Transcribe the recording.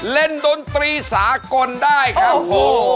ดนตรีสากลได้ครับ